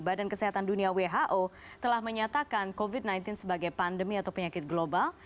badan kesehatan dunia who telah menyatakan covid sembilan belas sebagai pandemi atau penyakit global